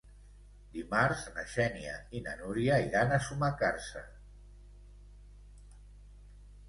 Dimarts na Xènia i na Núria iran a Sumacàrcer.